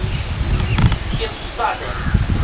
極讚的